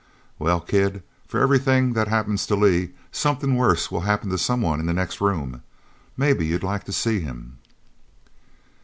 "Well, kid, for everything that happens to Lee somethin' worse will happen to someone in the next room. Maybe you'd like to see him?"